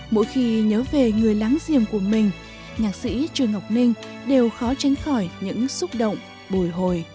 mỗi khi nhớ về người láng giềng của mình nhạc sĩ trương ngọc ninh đều khó tránh khỏi những xúc động bồi hồi